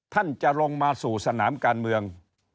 ท่านจะลงมาสู่สนามการเมือง